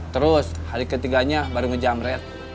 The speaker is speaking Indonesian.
terus hari ketiganya baru ngejamret